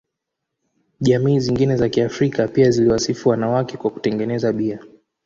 Jamii zingine za Kiafrika pia ziliwasifu wanawake kwa kutengeneza bia.